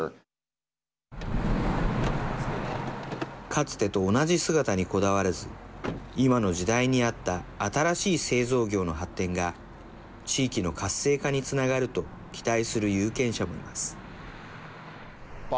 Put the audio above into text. かつてと同じ姿にこだわらず今の時代に合った新しい製造業の発展が地域の活性化につながると期待する有権者もいます。